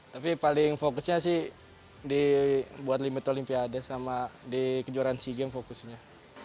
tapi paling fokusnya sih di buat limit olimpiade sama di kejuaraan g game fokusnya